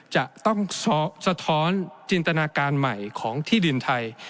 จะต้องสะท้อนจินตนาการใหม่ของที่ดินไทย